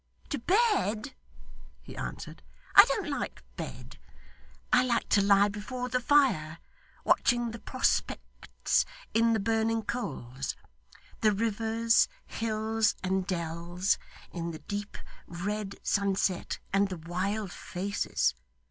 'To bed!' he answered. 'I don't like bed. I like to lie before the fire, watching the prospects in the burning coals the rivers, hills, and dells, in the deep, red sunset, and the wild faces.